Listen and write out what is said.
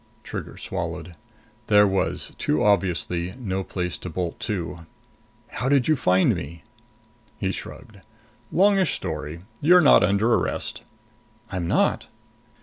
Trigger swallowed. There was, too obviously, no place to bolt to. "How did you find me?" He shrugged. "Longish story. You're not under arrest." "I'm not?"